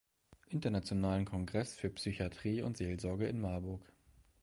Internationalen Kongresses für Psychiatrie und Seelsorge in Marburg.